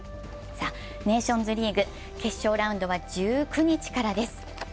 ネーションズリーグ決勝ラウンドは１９日からです。